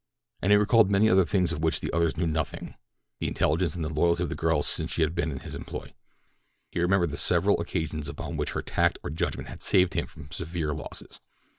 And he recalled many other things of which the others knew nothing—the intelligence and the loyalty of the girl since she had been in his employ. He remembered the several occasions upon which her tact or judgment had saved him from severe losses.